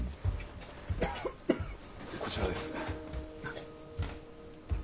こちらです。